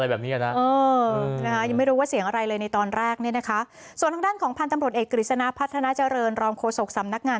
แรกเนี่ยนะคะส่วนข้างด้านของพันธุ์ตำรตเอกคริสนะพัฒนาเจริญรอมโพสกสำนักงาน